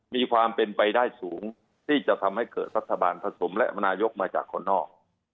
มีความเป็นไปได้สูงที่จะทำให้เกิดรัฐบาลผสมและมนายกมาจากคนนอก